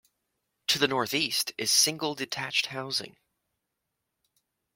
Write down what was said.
To the northeast is single-detached housing.